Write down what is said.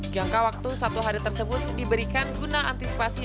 jangka waktu satu hari tersebut diberikan guna antisipasi